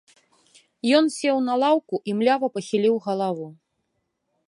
Ён сеў на лаўку і млява пахіліў галаву.